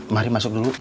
mari masuk dulu